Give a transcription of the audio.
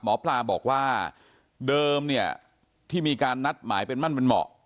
หมอปลาบอกว่าเดิมเนี่ยที่มีการนัดหมายเป็นมั่นเป็นเหมาะ